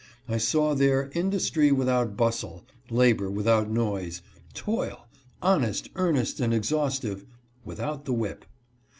I saw there industry without bustle, labor without noise, toil — honest, earnest and exhaustive — without the whip.